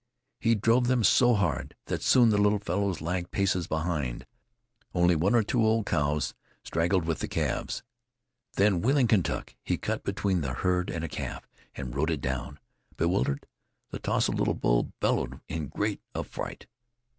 He drove them so hard that soon the little fellows lagged paces behind. Only one or two old cows straggled with the calves. Then wheeling Kentuck, he cut between the herd and a calf, and rode it down. Bewildered, the tously little bull bellowed in great affright.